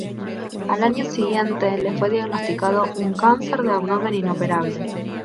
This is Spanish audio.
Al año siguiente, le fue diagnosticado un cáncer de abdomen inoperable.